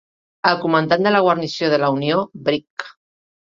El comandant de la guarnició de la Unió, Brig.